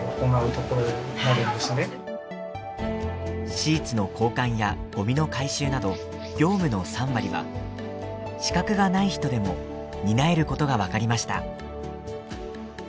シーツの交換やゴミの回収など業務の３割は資格がない人でも担えることが分かりました。